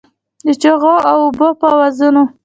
د چوغکو او اوبو په آوازونو